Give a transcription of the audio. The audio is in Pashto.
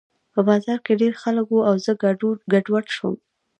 په بازار کې ډېر خلک وو او زه ګډوډ شوم